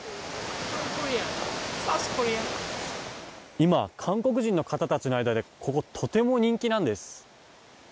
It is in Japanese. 今、韓国人の方たちの間でここ、とても人気なんです。